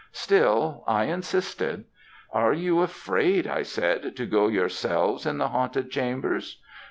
Still I insisted. "'Are you afraid,' I said, 'to go yourselves in the haunted chambers?'